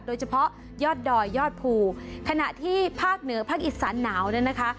โดยเฉพาะยอดดอยยอดภูขณะที่ภาคเหนือภาคอีสานหนาวเนี่ยนะคะ